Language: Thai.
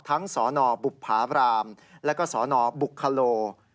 ทั้งสนบุพราบรามและก็สนบุคคโล